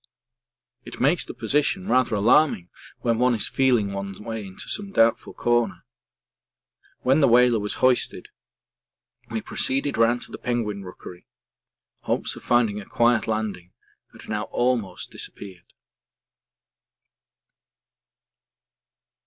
It makes the position rather alarming when one is feeling one's way into some doubtful corner. When the whaler was hoisted we proceeded round to the penguin rookery; hopes of finding a quiet landing had now almost disappeared.